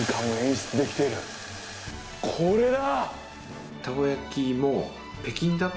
これだ！